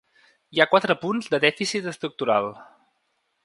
Hi ha quatre punts de dèficit estructural.